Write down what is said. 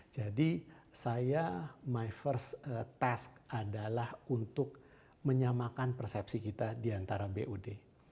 jadi saya my first task adalah untuk menyamakan persepsi kita diantara bod